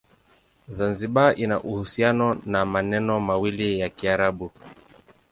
Zanzibar ina uhusiano na maneno mawili ya Kiarabu.